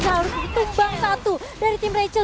saya harus tumbang satu dari tim rachel